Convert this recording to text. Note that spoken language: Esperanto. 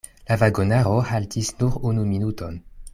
La vagonaro haltis nur unu minuton.